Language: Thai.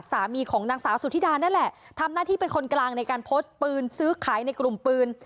สามีของนางสาวสุธิดานั่นแหละทำหน้าที่เป็นคนกลางในการโพสต์ปืนซื้อขายในกลุ่มปืน